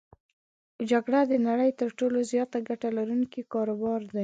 جګړه د نړی تر ټولو زیاته ګټه لرونکی کاروبار دی.